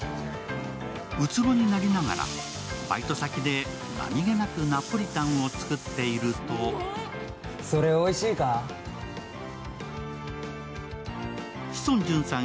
うつろになりながらバイト先で何気なくナポリタンを作っていると志尊淳さん